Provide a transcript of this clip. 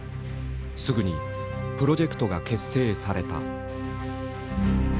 すぐにプロジェクトが結成された。